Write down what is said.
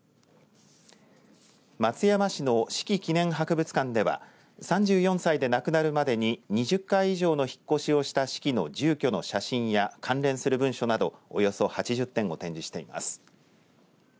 松山市の子規記念博物館では３４歳で亡くなるまでに２０回以上の引っ越しをした子規の住居の写真や関連する文書などおよそ８０点を展示しています。